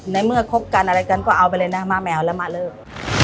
ในเมื่อคบกันก็เอาไปแล้วนะม้าแมวแล้วม่าเลือก